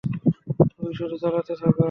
তুমি শুধু চালাতে থাকো!